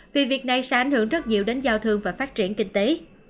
vì việc này sẽ ảnh hưởng rất nhiều đến giao thương và phát triển kinh tế